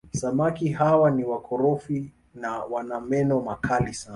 samaki hawa ni wakorofi na wana meno makali sana